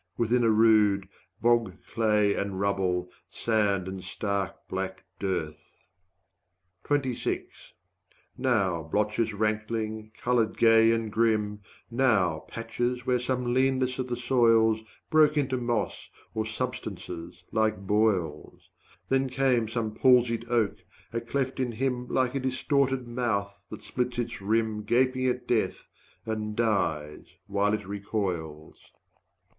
within a rood, Bog, clay and rubble, sand and stark black dearth. 150 Now blotches rankling, colored gay and grim, Now patches where some leanness of the soil's Broke into moss or substances like boils; Then came some palsied oak, a cleft in him Like a distorted mouth that splits its rim 155 Gaping at death, and dies while it recoils.